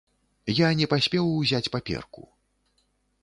Я не паспеў узяць паперку.